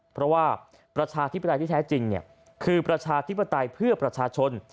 เพราะว่าประชาธิปไตยที่แท้จริงคือประชาธิปไตยเพื่อประชาชน